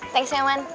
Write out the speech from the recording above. thanks ya man